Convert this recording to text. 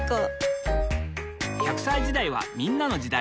磽隠娃歳時代はみんなの時代。